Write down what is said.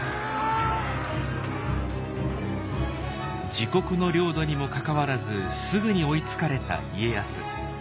自国の領土にもかかわらずすぐに追いつかれた家康。